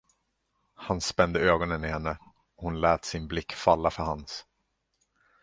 Han spände ögonen i henne, och hon lät sin blick falla för hans.